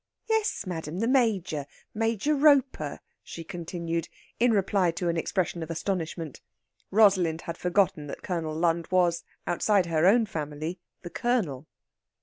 "Yes, madam; the Major Major Roper," she continued, in reply to an expression of astonishment. Rosalind had forgotten that Colonel Lund was, outside her own family, "the Colonel."